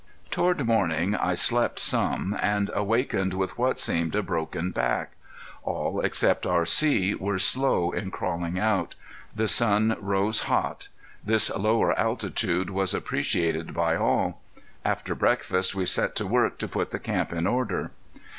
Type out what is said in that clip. Toward morning I slept some, and awakened with what seemed a broken back. All, except R.C., were slow in crawling out. The sun rose hot. This lower altitude was appreciated by all. After breakfast we set to work to put the camp in order.